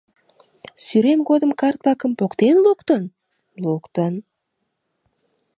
Сӱрем годым карт-влакым поктен луктын? луктын...